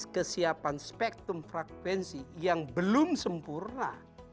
kesiapan spektrum frekuensi yang belum sempurna